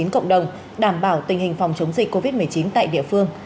cộng đồng đảm bảo tình hình phòng chống dịch covid một mươi chín tại địa phương